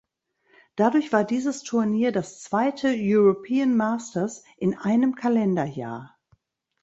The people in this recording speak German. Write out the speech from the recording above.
Dadurch war dieses Turnier das zweite European Masters in einem Kalenderjahr.